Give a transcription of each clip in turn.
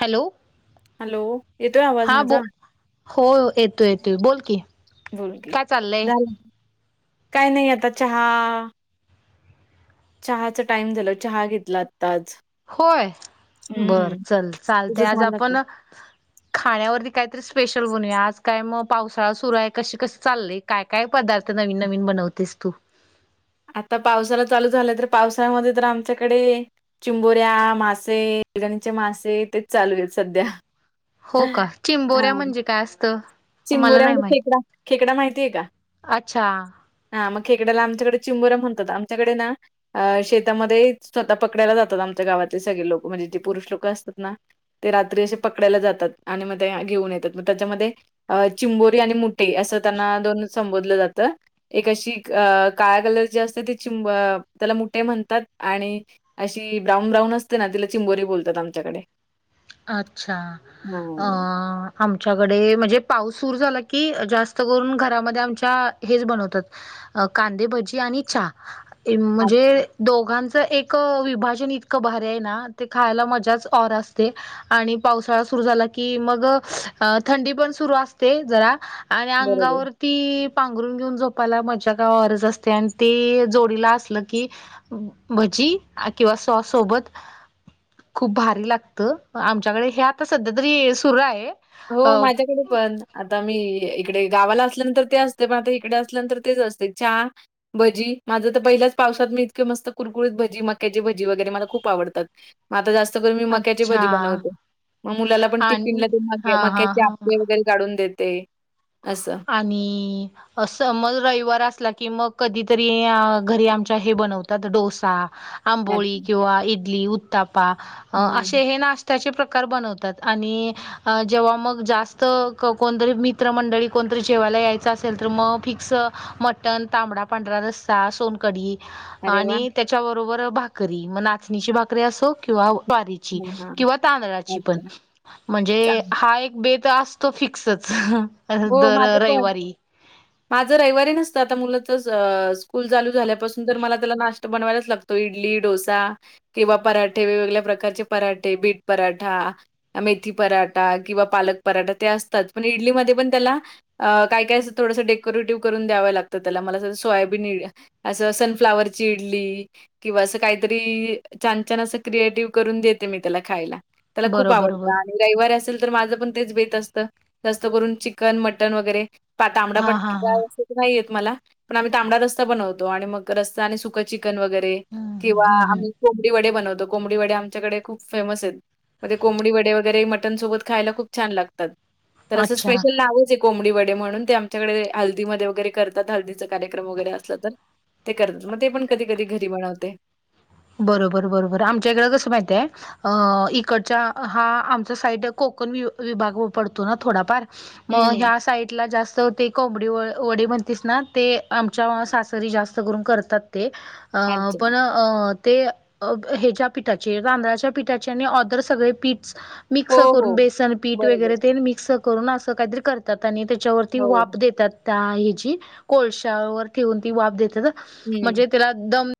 Hello. Hello येतोय आवाज हा बो माझा. हो येतोय येतोय बोल की बोल की काय चाललंय. झालं काय नाही आता चहा. चहाचा टाइम झाला चहा घेतला. तज होय बर हम्म चल चालतय तुझच आज म्हलं का. आपण खाण्यावरती काहीतरी स्पेशल बनूया आज काय मग पावसाळा सुरू आहे कशी कस चालय. काय काय पदार्थ नवीन नवीन बनवतेस तू. आता पावसाला चालू झालं तर पावसाळमध्ये तर आमच्याकडे. चिंबोऱ्या मासे बलगणीचे मासे तेच चालू सध्या. हो का हा चिंबोऱ्या म्हणजे काय असतं. मला नाही चिंबोऱ्यामध्ये माहित खेकडा खेकडा माहितीय का. अच्छा. ह मग खेकड्याला आमच्याकडे चिंबरम म्हणतात आमच्याकडे ना. अ शेतामध्ये स्वतः पकडयला जातात आमच्या गावातले सगळे लोक म्हणजे जे पुरुष लोक असतात ना. ते रात्री असे पकडायला जातात आणि मग ते घेऊन येतात मग त्याच्यामध्ये. अ चिंबोरी आणि मुठे असं त्यांना दोन संबोधलं जातं. एक अशी अ काळा कलर जे असते ते चिब त्याला मुठे म्हणतात आणि. अशी ब्राऊन ब्राऊन असते ना तिला चिंबोरी बोलतात आमच्याकडे. अच्छा! हा आमच्याकडे म्हणजे पाऊस सुर झाला की जास्त करून घरामध्ये आमच्या हेच बनवतात. कांदेभजी आणि चहा म्हणजे. दोघांचं एक विभाजन इतकं भारी आहे ना ते खायला मजाच और असत. आणि पावसाळा सुरु झाला की मग थंडी पण सुरू असते जरा. आणि बरोबर. अंगावरर. ती पांघरून घेऊन झोपायला मज्या का गरज असते आणि ते जोडीला असलं की. भजी किंवा सॉस सोबत खूप भारी लागते. तर आमच्याकडे हे आता सध्या तरी सुरू आहे. अ हो माझ्याकडे पण. आता मी इकडे गावाला असल्यानंतर ते असते पण आता इकडे असल्यानंतर तेच असते चहा. भजी माझं तर पहिल्याच पावसात मी इतके मस्त कुरकुरीत भजी मक्याची भजी वगैरे मला खूप आवडतात. ग आता जास्त करून मी मक्याची अच्छा भजी बनवते मग मुलाला पण ती आणि पिंलं ते हा म हा मक्याचे हा आपे. काढून देते असं. आणि आणि. अस मग रविवार असला की मग कधीतरी घरी आमच्या हे बनवतात डोसा आंबोळी अच्छा. किंवा इडली उत्तापा हं. असे हे नाशते त्याचे प्रकार बनवतात आणि जेव्हा मग जास्त कोणतरी मित्र मंडळी कोणतरी जेवायला यायचं असेल तर मग फिक्स मटन तांबडा पांढरा रस्सा सोन अरे वाह! आणि त्याच्याबरोबर भाकरी मग नाचणीची भाकरी असो किंवा बारी हां, हां. किवा तांदळाची पण अच्छा. म्हणजे चांगलं. हा एक बेत अस तो फिक्सच हो दर माझं पण रविवारी. माझं रविवारी नसतं आता मुलाच स्कूल चालू झाल्यापासून जर मला त्याला नाष्टा बनवायलाच लागत तो इडली डोसा किंवा पराठे वेगवेगळ्या प्रकारचे पराठे, बीट पराठा मेथी पराठा किंवा पालक पराठा ते असतात पण इडलीमध्ये पण त्याला काय काय अस थोडंसं डेकोरेटिव्ह करून द्याव लागतं त्या म सोयाबीन असं सनफ्लावरची इडली किंवा असं काहीतरी छान छान असं क्रिएटिव्ह करून देते मी त्याला खायला त्याला खूप बरोबर आवडतं बरोबर आणि रविवारी असेल तर माझं पण तेच बेत असतं जास्त करूनिक [unintelligible] कन मटन वगैरे तांबडा हा हा पट्टा हा अस नाही मला पण आम्ही तांबडा रस्ता बनवतो आणि मग रस्ता आणि सुखच वगैरे हम्म किंवा हम्म हम्म आम्ही कोंबडी वडे बनवतो. कोंबडी वडे आमच्याकडे खूप फेमस आहेत म कोंबडी वडे वगैरे मटन सोबत खायला खूप छान लागतात. तर असे अच्छा. लावूच आहे कोंबडी वडे म्हणून ते आमच्याकडे हळदी मध्ये वगैरे करतात हळदीचा कार्यक्रम वगैरे असलं तर ते करतात मग ते पण कधी कधी घरी बनवते. बरोबर बरोबर आमच्याकडे कसं माहित आहे अ इकडच्या हा आमच्या साईड कोकण वि विभाग पडतो ना थोडाफार मग हं. ह्या साईड ला जास्त ते कोंबडी व वडे म्हणतीस ना ते, आमच्या सासरी जास्त करून करतात ते अ अच्छा. पण ते अ हेज्या पीठाचे, तांदळाच्या पीठाचे आणि ऑदर सगळे पीठ स हो, मिक्स करून हो. बेसन पीठ वगैरे बरोबर. ते मिक्स करून असं काहीतरी करत तात आणि त्याच्यावरती हो. वाफ देतात, त्या हे जी कोळशावर ठेवून ती वाफ देतात हं. म्हणजे त्यालादम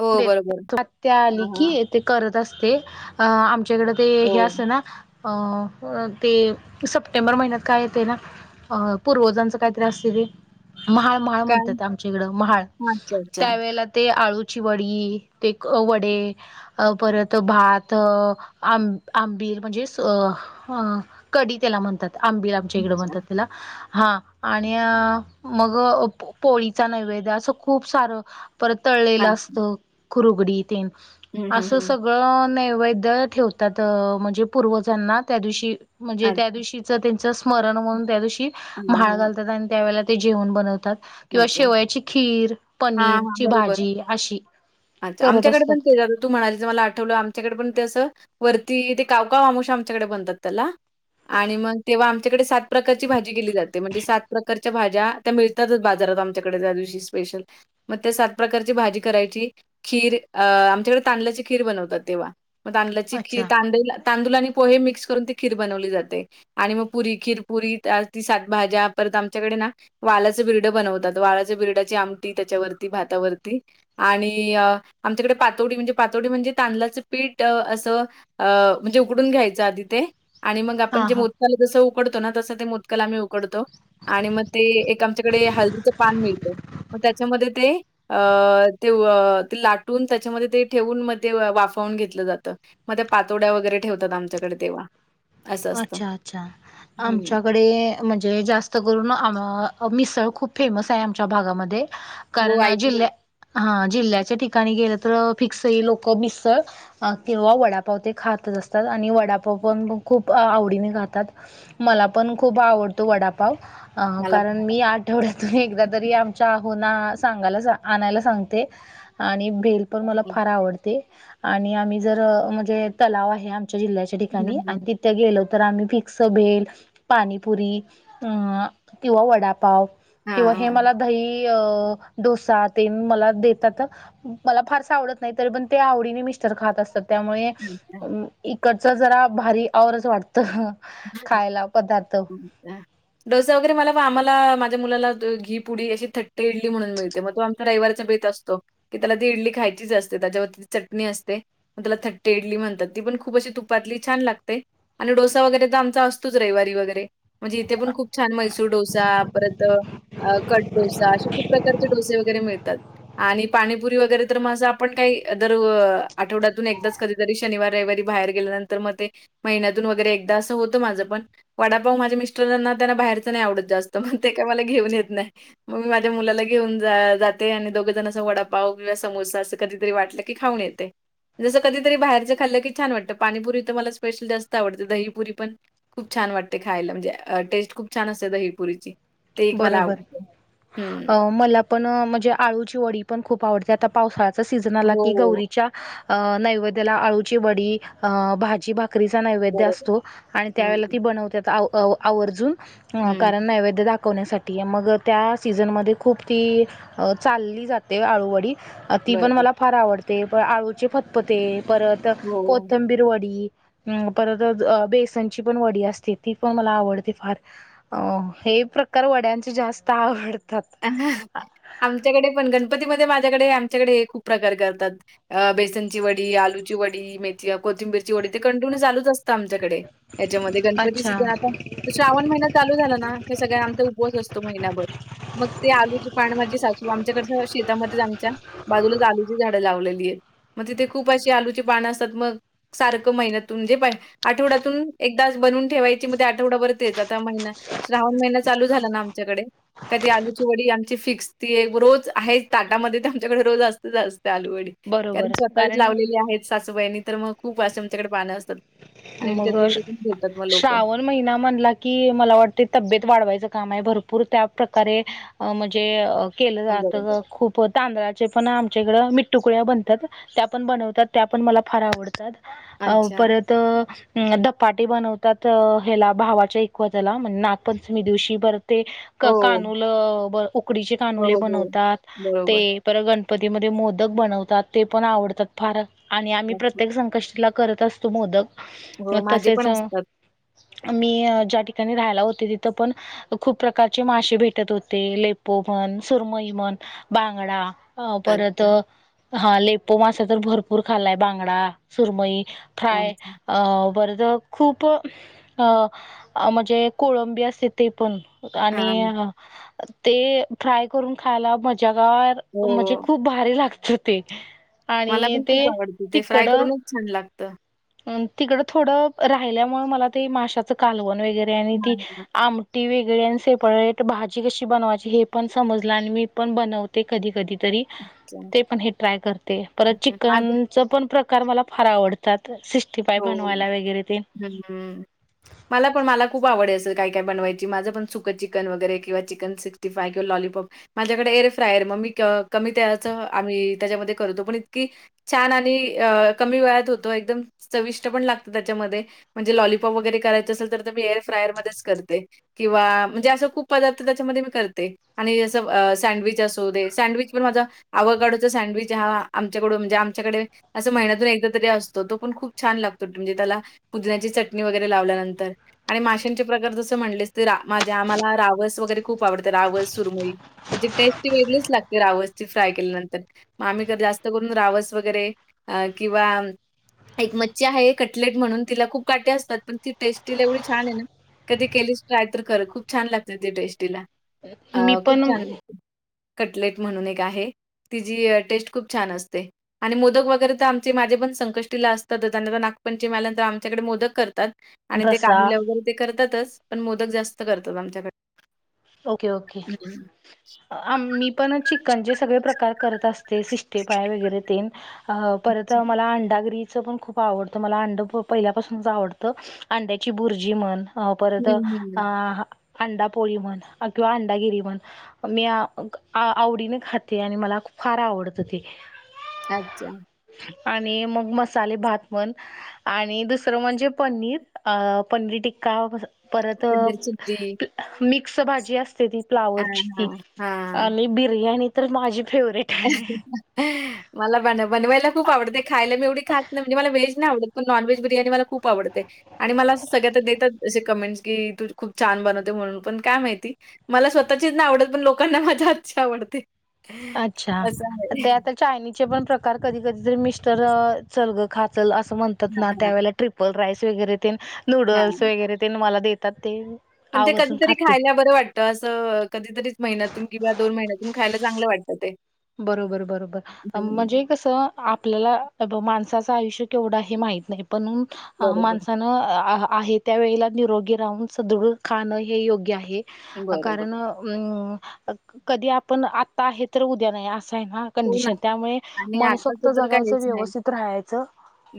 हो, बरोबर. देतात. आत्या आली हां, की हां. ते करत असते अ आमच्याकडे ते हो. हे असत ना अ ते सप्टेंबर महिन्यात काय येतय ना? अ पूर्वजांचं कायतरी असतय ते महाळ म्हाळ काय? म्हणतात आमच्या इकड म्हाळ, अच्छा, अच्छा. त्यावेळेला ते आळू चि वडी, ते वडे अ परत भात आं आंबिल म्हणजेच अ हा कढी त्याला म्हणतात. आंबील आमच्या इकडं अच्छा. म्हणतात त्याला हा आणि मग ओके पोळीचा नैवेद्य आसं खूप सारं परत तळलेलं अच्छा. असत खुरुगडी तेन हं, हं, असं हं. सगळं ग नैवेद्य ठेवतात अ म्हणजे पूर्वजांना त्या दिवशी म्हणजे अच्छा. त्या दिवशी च त्यांच स्मरण म्हणून त्या दिवशी हां, म्हाळ हां. घालतात आणि त्यावेळेला ते जेवण बनवतात किंवा अच्छा. शेवयाची खीर, हां, हां. पनीरची बरोबर. भाजी अशी अच्छा करत आमच्याकडे असतात. पण तेच तू म्हणायलीस मला आठवलं आमच्याकडे पण ते, असं वरती ते कावकाव आमोशा आमच्याकडे म्हनतात त्याला आणि मग तेव्हा आमच्याकडे सात प्रकारची भाजी केली जाते, म्हणजे सात प्रकारच्या भाज्या त्या मिळत त्यातच बाजारात आमच्याकडे त्या दिवशी स्पेशल मग त्या सात प्रकारची भाजी करायची, खीर अ आमच्याकडे तांदल्याची खीर बनवतात तेव्हा मग तांदलाची खीर अच्छा तांदूल, तांदूळ आणि पोहे मिक्स करून ती खीर बनवली जाते. आणि मग पुरी खिरपुरी ती सात भाज्या परत आमच्याकडे ना वालच च आहे बिरड बनवतात. वालाच्या बिरड्याची आमटी, त्याच्यावरती भातावरती आणि आमच्याकडे पातोडी म्हणजे पातोडी म्हणजे तांदलाचं पीठ असं अ म्हणजे उकडून घ्यायच आधी ते आणि मग आपण हा जे हा मोदकाला जस उकडतो ना तसं, ते मोदकला आम्ही उकडतो आणि मग ते तीकडे हल्दीच पान मिळत मग त्याच्यामध्ये ते अ ते ते लाटून त्याच्यामध्ये ते ठेवून मग ते वाफवून घेतलं जातं म त्या पातोड्या वगैरे ठेवतात, आमच्याकडे तेव्हा असं असतं. अच्छा अच्छा हं. आमच्याकडे म्हणजे जास्त करून मिसळ अ म खूप फेमस आहे. आमच्या भागामध्ये हो, कारण ऐकली आहे. जिल्हया हा जिल्ह्याच्या ठिकाणी गेलं तर, फिक्स ही लोक मिसळ अ केव्हा वडापाव ते खातच असतात आणि वडापाव पण खूप आवडीने खातात. मला पण खूप आवडतो. वडापाव हा म मला पण. कारण मी आठ आठवड्यातून एकदा तरी आमच्या अहोना, सांगायला आणायला सांगते आणि भेल पण मला फार आवडते आणि आम्ही जर म्हणजे, तलाव आहे आमच्या जिल्ह्याच्या हं, ठिकाणी आणि हं. तिथे गेलो तर, आम्ही फिक्स भेल पाणीपुरी हा किंवा वडापाव हां, किंवा हे हां. मला दही य डोसा ते मला देतातच. मला फारस आवडत नाही, तरी पण ते आवडीने मिस्टर खात असतात. त्यामुळे अच्छा. इकडच जरा भारी औरच वाटत. खायला पदार्थ. डोसा वगैरे मला आम्हाला माझ्या मुला घी पुडी अशी थट्टी इडली म्हणून मिळते मग त रविवारचा भेट असतो की त्याला ती इडली खायचीच असते त्याच्यावरती ती चटणी असते तला थट्टे इडली म्हणतात ती पण खूप अशी तुपातली छान लाते आणि डोसा वगैरे आमचा असतोच रविवारी वगैरे म्हणजे इथे पण खूप छान मैसूर डोसा परत अ कट डोसा असे खूप प्रकारचे डोसे वगैरे मिळतात आणि पाणीपुरी वगैरे तर माझं आपण काही जर आठवड्यातून एकदाच कधी शनि रविवारी बाहेर गेल्यानंतर मग ते मन्याूनर होत माझ पण वडापाव माझ्या मिस्टरना त्यांना बाहेरच नाही आवडत जास्त मण ते काय मला घेऊन येत नाही मग मी माझ्या मुलाला घेऊन जाते आणि दोघ जण अस वडापाव किंवा समोसा असं कधीतरी वाटलं की खाऊन येते जसं कधीतरी बाहेर खल्लं की छान वाटत पाणीपरी तर मला स्पेशल जास्त आवडते दहीपुरी पण खूप छान वाटते खायला म्हणजे टेस्ट खूप छान असते दहीप पुरीची बरोबर मला पण म्हणजे आळूची वडी पण खूप आवडते आता पावसाळचा सीझन आला की हो, गौरीच्या अ नैवेद्याला आळूची बडी अ भाजी भा कचा नैवेद्य बरोबर. असतो आणि हं, त्यावेला ती बनवत आवर्जून ह हं. कारण नैवेद टाकवण्यासाठी मग त्या सीझनमध्ये खूप ती चालली जाते आळूवडी ती पण बरोबर. मला फार आवडते प आळूचे फतपते परत हो. कोथमबी रोडी अ परत बेसनची पण वडी असते ती पण मला आवडते फार अ हे प्रकार वड्यांची जास्त आवडत आमच्याकडे पण गणपतीमध्येध्ये माझ्याकडे आमच्याकडे खूप प्रकार करतात बेसनची वडी आलूची वडी मेथी कोथिंबीरची वडी ते कंटिन्यू चालूच असतं आमच्याकडे याच्यामध्ये गणपती अच्छा. सुद्धा आता श्रावण महिना चालू झाला ना का सगळ आमचा उपवास असतो महिनाभर मग ते आलूची पान माजी सासू आमच्याकडचं शेतामध्येच आमच्या बाजूलाच आलूची झाडं लावलेली आहेत मग तिथे खूप अशी आलूची पानं असतात मग सारखं महिन्यातूनजे पाहि आठवड्यातून एकदा बनून ठेवायची मग ते आठवडावररतीच आता महिना श्रावण महिना चालू झाला ना आमच्याकडे का ती आलूची वडी आमची फिक्स ती रोज आहे ताटामध्ये ते आमच्याकडे रोज असते जास्त आलू वडी कारण बरोबर स्वतःच कारण लावलेले आहेत सासूबाईनी तर मग खूप वाजषे आमच्याकडे पाहणं असतात आणि विकत मग वगैरे पण बेोलतात मग लोक श्रावण महिना म्हणला की मला वाटते तब्येत वाढवायचं काम आहे भरपूर त्या प्रकारे अ म्हणजे केलं हं, जात बरोबर. खूप तांदळाचे पण आमच्याकडं मि तुकड्या बनतात त्या पण बनवतात त्या पण मला फार आवडतात अच्छा. परत अ दपाटे बनवतात ह्याला भावाच्या इकवा त्या्याला म्हणजे नागपंचमी दिवशी बर ते हो. कानूल उकडीचे हो, कानुले हो. बनवतात ते बरोबर. पर गणपतीमध्ये मोदक बनवतात ते पण आवडतात फार आणि आम्ही नक्कीच. प्रत्येक संकष्टीला करत असतो मोदक हो, माझे पण तसेच असतात. मी ज्या ठिकाणी राहायला होते तिथं पण खूप प्रकारचे मासे भेटत होते लेपो म्हण सुरमई म्हण बांगडा अ परत अच्छा, हा लेपो मासा तर भरपूर खाल्लाय बांगडा सुरमई फ्राय अच्छा. बरद खूप अ म्हणजे कोळंबी असते ते पण आणि हां. ते फ्राय करून खायला मजा म्हणजे हो. खूप भारी लागते शृती मला पण खूप आवडते ते फ्राय करूनच छान लागतं अ तिकडं थोडं राहिल्यामुळे मला ते माशाचं कालवण वगैरे आणि ती हां, हां. आमट ती वेगळी आण सेफळे भाजी कशी, बनवायची हे पण समजलं आणि मी पण बनवते कधी कधीतरी, अच्छा. ते पण हे ट्राय करते परत माझं चिकनच, पण प्रकार मला फार आवड [unintelligible] सिक्स्टी फाय बनवायला वगैरे ते, हम्म [unintelligible] मला पण मला खूप आवडे असे काय काय बनवायची. माझं पण सुखं चिकन वगैरे किंवा चिकन सिक् तिफय्य लॉलीप माझ्याकडे एर फ्रायर मग मी क कमी तेलाचं आम्ही त्याच्यामध्ये, करतो पण इतकी छान आणि अ कमी वेळात होतो एकदम चविष्ट पण लागत त्याच्यामध्ये, म्हणजे लॉलपॉप वगैरे करायच असेल तर मी एअर फ्रायर मध्येच करते. किंवा म्हणजे असा खूप पदार्थ त्याच्यामध्ये मी करते. आणि जसं अ सँडविच असू दे सँडविच पण माझा आवकााडोचा सँडविच हा आमच्याकडून, म्हणजे आमच्याकडे असं महिन्यातून, एकदा तरी असतो तो पण खूप छान लागतो टूनी तला पुदण्याची चटणी वगैरे लावल्यानंतर. आणि माशांचे प्रकार जसं म्हणले स तरा माझे आम्हाला रावस वगैरे, खूप आवडतं रावस सुरमई त्याची टेस्टी वेगळीच लागते रावस ची फ्राय केल्यानंतर. मग आम्ही जर जास्त करून रावस वगैरे अ किंवा एक मच्छी आहे कटलेट म्हणून तिला खूप काटे असतात. पण ती टेस्टीला एवढी छान हे ना, कधी केलीस ट्राय तर कर खूप छान, लागते ते टेस्टीला अ मी खूप पण छान लागते. कटलेट म्हणून एक आहे. तिजी टेस्ट खूप छान असते आणि मोदक, तर आमचे माझे पण संकष्टीला आस त त्यांना नागपंचमी आल्या नंतर आमच्याकडे, मोदक करतात आणि ते रस्सा काढीला वगैरे, ते करतातच पण मोदक जास्त करतात आमच्याकडे. Okay okay. हं, हं. आ मी पण चिकनचे सगळे प्रकार, करत असते सिस्टिफाय वगैरे ते हाव परत मला अंडागिरीचं पण खूप खूप आवडतं मला अंडं प पहिल्यापासूनच, आवडतं अंड्याची बुर्जी म्हण. अ हं, परत हं. अ अंडा पोळी म्हण आग अंडागिरी म्हण. मी आवडीने खाते आणि मला फार आवडतं ते [unintelligible] अच्छा. आणि मग मसाले भात म्हण आणि दुसरं म्हणजे पनीर अ पनीर टिक्का [unintelligible] परत चदर चुटकी. मिक्स भाजी असते ती हां, फ्लावरची ती हां. हां. आणि बिर्याणी तर माझी फेवरेट. अ आहे. [unintelligible] हम [unintelligible] माला बना बवायला खूप आवडते, खायला बी एवढी खात नाही म्हणजे मला वहेज नाही आवडत, पण नॉन व्हेज बिर्याणी मला खूप आवडते. आणि मला असं सगळ्यात देतात असे कमेंट्स की तू खूप छान, बनवते म्हणून पण काय माहिती. मला स्वतःचीच नाही आवडत. पण लोकांना मजा आजची आवडते. अच्छा असं आहे. ते आता चायनीचे पण [unintelligible] कार कधी कधी तरी मिस्टर चल ग खाचल असं म्हणतात हां, ना, हां. त्यावेळे ट्र्रीप पल राईस वगैरे ते नूडल्स हां. वगैरे, ते मला देतात ते. पण ते आवर्जून कधीतरी खाते. खायला बरं वाट त असं कधीतरीच महिन्यातून, किंवा दोन महिन्यातून, खायला चांगलं वाटतं ते. बरोबर बरोबर हं. म्हणजे कसं आपल्याला त बो माणसाचं आयुष्य केवढा हे माहत नाही पण अ बरोबर, माणसान अ आहे त्यावेळेला निरोगी राहून सुद्रु खाणं हे योग्य आहे. बरोबर. कारण अम्म कधी आपण आता आहे. तर उद्या नाही असं आहे ना, हो ना. कंडिशन त्यामुळे आणि आताच मनसोक्त तर जगायचं काहीच नाही. व्यवस्थित राहायचं.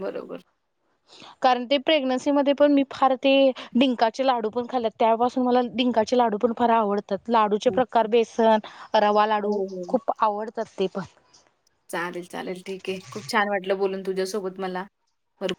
बरोबर. [inaudible] कारण ते प्रेग्नन्सी मध्ये पण मी फार ते डिंकाचे, लाडू पण खाल्लेत त्यापासून मला डींका चे लाडू पण फार आवत त्यात लाडूचे हं. प्रकार बेसन रवा लाडू हो, हो. खूप आवडतात ते पण चालेल चालेल ठीक आहे खूप छान वाटलं बोलून तुझ्यासोबत मला भर